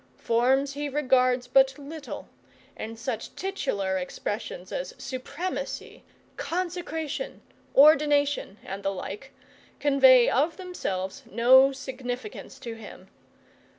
Forms he regards but little, and such titular expressions of supremacy, consecration, ordination, and the like, convey of themselves no significance to him.